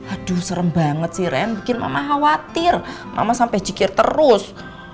aduh serem banget sih ren bikin mama khawatir mama sampai jikir terus